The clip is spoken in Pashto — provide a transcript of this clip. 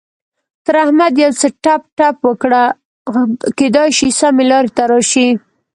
تر احمد يو څه ټپ ټپ وکړه؛ کېدای شي سمې لارې ته راشي.